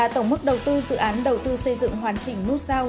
tổng mức đầu tư xây dựng hoàn chỉnh nút giao